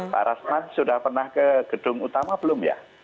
pak rasman sudah pernah ke gedung utama belum ya